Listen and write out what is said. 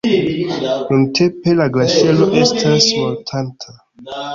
Nuntempe la glaĉero estas mortanta.